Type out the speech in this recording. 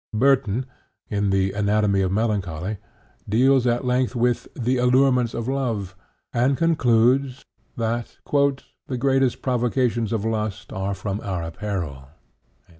Burton, in the Anatomy of Melancholy (Part III, Sect. II, Subsect. 3), deals at length with the "Allurements of Love," and concludes that "the greatest provocations of lust are from our apparel."